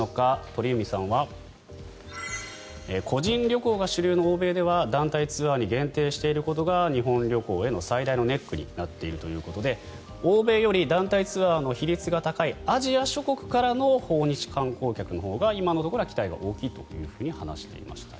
鳥海さんは個人旅行が主流の欧米では団体ツアーに限定していることが日本旅行への最大のネックになっているということで欧米より団体ツアーの比率が高いアジア諸国からの訪日観光客のほうが今のところは期待が大きいと話していました。